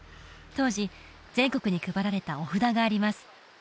当時全国に配られたお札があります